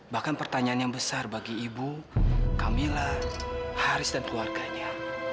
bahkan pertanyaan yang besar bagi ibu camillah haris dan keluarganya